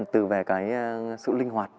từ về cái sự linh hoạt